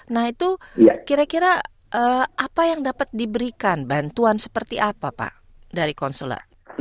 nah itu kira kira apa yang dapat diberikan bantuan seperti apa pak dari konsuler